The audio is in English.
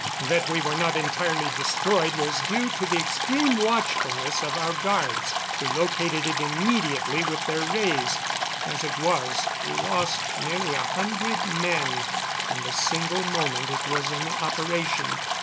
That we were not entirely destroyed was due to the extreme watchfulness of our guards, who located it immediately with their rays. As it was, we lost nearly a hundred men in the single moment it was in operation.